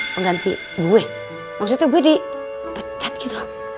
pengganti gue maksudnya gue dipecat gitu